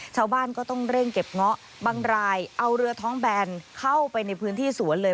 ชาวบ้านก็ต้องเร่งเก็บเงาะบางรายเอาเรือท้องแบนเข้าไปในพื้นที่สวนเลย